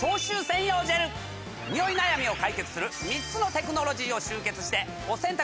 ニオイ悩みを解決する３つのテクノロジーを集結してお洗濯の。